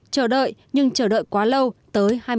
chờ đợi nhưng chờ đợi quá lâu tới hai mươi